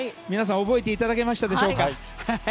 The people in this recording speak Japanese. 皆さん、覚えていただけましたでしょうか。